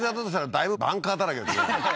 だいぶバンカーだらけですね